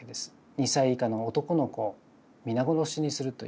２歳以下の男の子を皆殺しにするという。